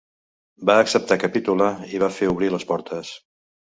Va acceptar capitular i va fer obrir les portes.